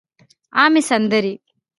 عامې سندرې